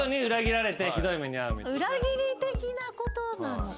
裏切り的なことなのか。